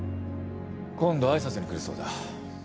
今度挨拶に来るそうだ。